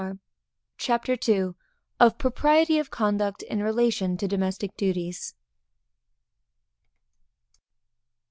CHAPTER II. _Of propriety of conduct in relation to domestic duties.